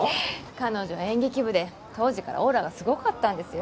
彼女演劇部で当時からオーラがすごかったんですよ